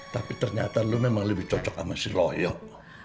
tapi ternyata lo memang lebih cocok sama si loyot